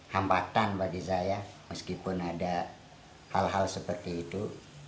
hambatan bagi saya meskipun ada hal hal seperti itu